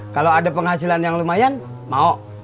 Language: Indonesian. kalau ada penghasilan yang lumayan mau